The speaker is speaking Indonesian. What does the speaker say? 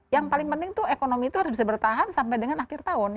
yang paling penting itu ekonomi itu harus bisa bertahan sampai dengan akhir tahun